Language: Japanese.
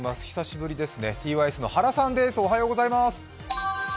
久しぶりですね、ｔｙｓの原さんです。